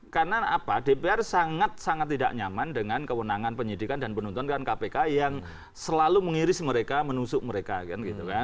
karena dpr sangat sangat tidak nyaman dengan kewenangan penyidikan dan penonton kpk yang selalu mengiris mereka menusuk mereka